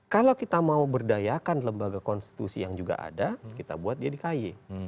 kalau kita mau berdayakan lembaga konstitusi yang juga ada kita buat dia di kay